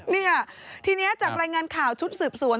เนี่ยทีนี้จากรายงานข่าวชุดสืบสวน